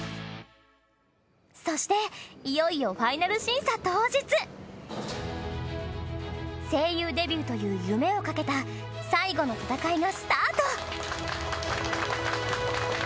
そしていよいよ声優デビューという夢をかけた最後の戦いがスタート。